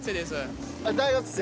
大学生。